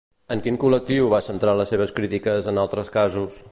En quin col·lectiu va centrar les seves crítiques en altres casos?